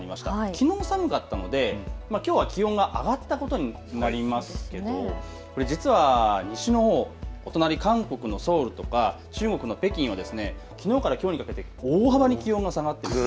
きのう寒かったので、きょうは気温が上がったことになりますけれど、これ実は西のほう、お隣韓国のソウルとか中国の北京はきのうからきょうにかけて大幅に気温が下がっている